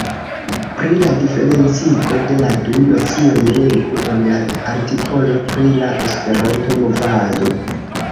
Pri la diferencigo de la du nocioj legu en la artikolo pri la Esperanto-movado.